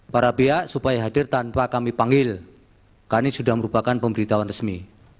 para pihak supaya hadir tanpa kami panggil karena ini sudah merupakan pemberitahuan resmi